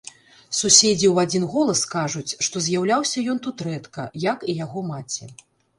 Суседзі ў адзін голас кажуць, што з'яўляўся ён тут рэдка, як і яго маці.